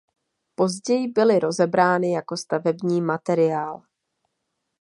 Později byly rozebrány jako stavební materiál.